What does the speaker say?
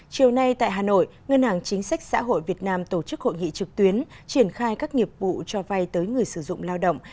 chiều nay tại hà nội ngân hàng chính sách xã hội việt nam tổ chức hội nghị trực tuyến triển khai các nghiệp vụ cho vay tới người sử dụng lao động